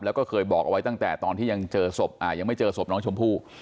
แล้วก็เคยบอกเอาไว้ตั้งแต่ตอนที่ยังเจอศพยังไม่เจอศพน้องชมพู่